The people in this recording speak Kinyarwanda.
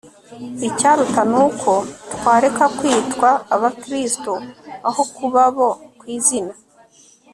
icyaruta ni uko twareka kwitwa abakristo aho kubabo ku izina